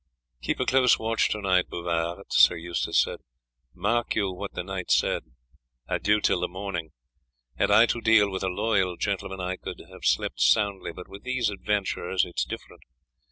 "Keep a close watch to night, Bouvard," Sir Eustace said. "Mark you what the knight said, adieu till the morning. Had I to deal with a loyal gentleman I could have slept soundly, but with these adventurers it is different.